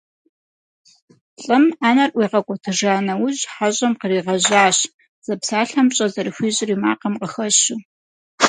Лӏым Ӏэнэр ӀуигъэкӀуэтыжа нэужь хьэщӏэм къригъэжьащ, зэпсалъэм пщӀэ зэрыхуищӀыр и макъым къыхэщу.